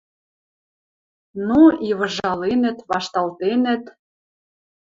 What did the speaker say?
Ну, и выжаленӹт, вашталтенӹт...